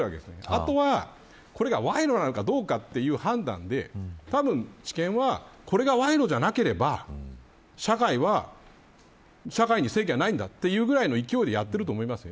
あとは、これは賄賂なのかどうかという判断でたぶん地検はこれが賄賂じゃなければ社会に正義はないんだというぐらいの勢いでやっていると思います。